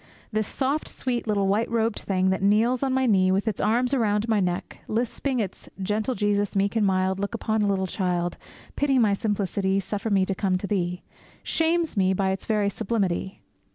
This soft, sweet little white robed thing that kneels on my knee, with its arms around my neck, lisping its Gentle Jesus, meek and mild, Look upon a little child! Pity my simplicity! Suffer me to come to Thee! shames me by its very sublimity.